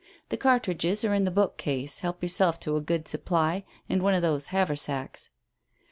The cartridges are in the bookcase; help yourself to a good supply, and one of those haversacks."